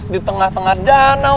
di tengah tengah danau